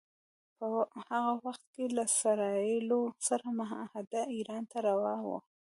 په هغه وخت کې له اسراییلو سره معاهده ایران ته روا وه.